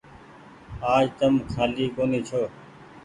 آج تم ڪآلي ڪونيٚ ڇو ۔